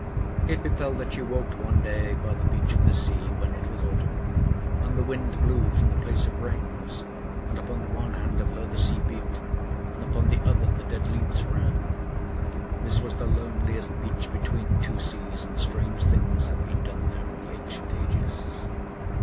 It befell that she walked one day by the beach of the sea, when it was autumn, and the wind blew from the place of rains; and upon the one hand of her the sea beat, and upon the other the dead leaves ran. This was the loneliest beach between two seas, and strange things had been done there in the ancient ages.